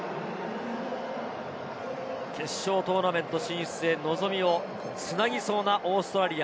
決勝トーナメント進出へ、望みを繋ぎそうなオーストラリア。